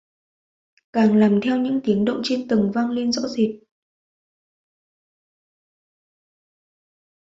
càng làm theo những tiếng động trên tầng vang lên rõ rệt